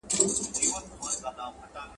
تر پایه به هغوی ډېر څه زده کړي وي.